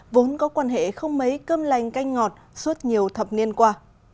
vốn có quan hệ không mấy cơm lành canh ngọt suốt nhiều thập niên qua